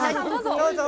どうぞ。